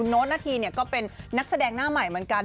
โน้ตนาธีก็เป็นนักแสดงหน้าใหม่เหมือนกัน